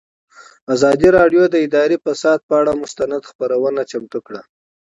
ازادي راډیو د اداري فساد پر اړه مستند خپرونه چمتو کړې.